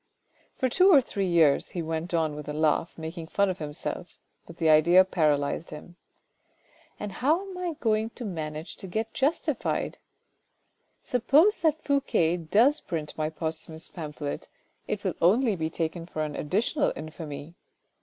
" For two or three years," he went on with a laugh, making fun of himself; but the idea paralysed him. " And how am I going to manage to get justified ? Suppose that Fouque does print my posthumous pamphlet, it will only be taken for an additional infamy.